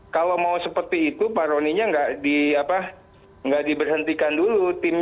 kalau mau seperti itu pak roninya nggak diberhentikan dulu